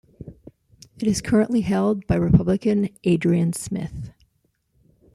It is currently held by Republican Adrian Smith.